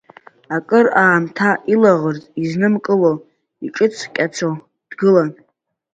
Акыр аамҭа илаӷырӡ изнымкыло, иҿыҵкьасо, дгылан.